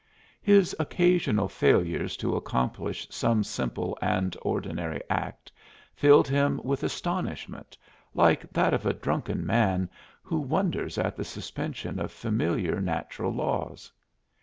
His occasional failures to accomplish some simple and ordinary act filled him with astonishment, like that of a drunken man who wonders at the suspension of familiar natural laws.